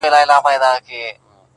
هغه د خلکو له نظره پټه ساتل کيږي هلته,